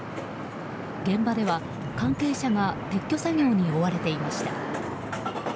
現場では関係者が撤去作業に追われていました。